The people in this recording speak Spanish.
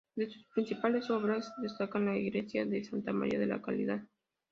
De sus principales obras destacan la Iglesia de santa maría de la Caridad.